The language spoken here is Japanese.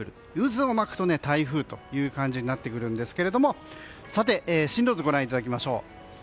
渦を巻くと、台風という感じになってくるんですけど進路図をご覧いただきましょう。